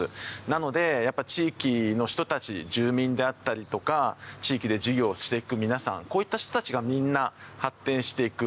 なので、やっぱり地域の人たち住民であったりとか地域で事業をしていく皆さんこういった人たちがみんな発展していく。